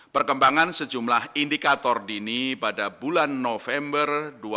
perkembangan sejumlah indikator dini pada bulan november dua ribu dua puluh